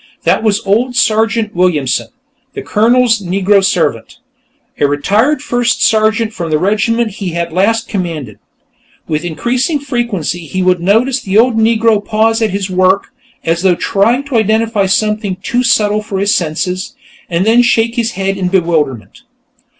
That was old Sergeant Williamson, the Colonel's Negro servant, a retired first sergeant from the regiment he had last commanded. With increasing frequency, he would notice the old Negro pause in his work, as though trying to identify something too subtle for his senses, and then shake his head in bewilderment.